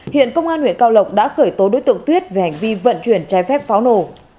hiện công an huyện cao lộc đã khởi tố đối tượng tuyết về hành vi vận chuyển trái phép pháo nổ